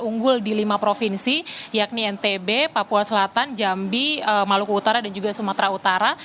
unggul di lima provinsi yakni ntb papua selatan jambi maluku utara dan juga sumatera utara